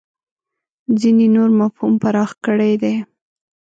ځینې نور مفهوم پراخ کړی دی.